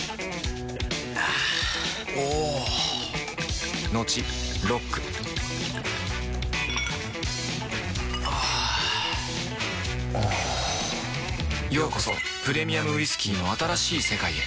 あぁおぉトクトクあぁおぉようこそプレミアムウイスキーの新しい世界へ